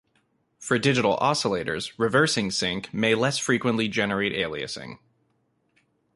For digital oscillators, Reversing Sync may less frequently generate aliasing.